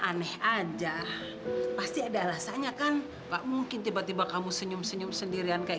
aneh aja pasti ada alasannya kan pak mungkin tiba tiba kamu senyum senyum sendirian kayak